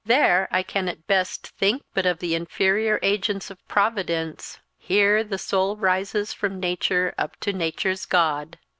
There I can, at best, think but of the inferior agents of Providence; here the soul rises from nature up to nature's God."